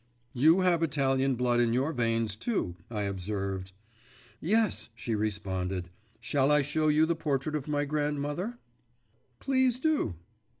'You have Italian blood in your veins too,' I observed. 'Yes,' she responded; 'shall I show you the portrait of my grandmother?' 'Please do.